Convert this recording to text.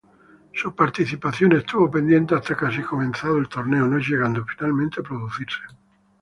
Su participación estuvo pendiente hasta casi comenzado el torneo, no llegando finalmente a producirse.